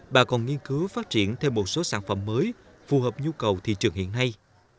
bà còn nghiên cứu phát triển thêm một số sản phẩm mới phù hợp nhu cầu thị trường hiện nay